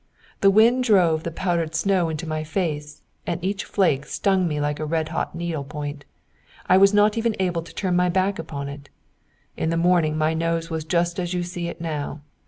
The wind drove the powdered snow into my face, and each flake stung me like a red hot needle point. I was not even able to turn my back upon it. In the morning my nose was just as you see it now.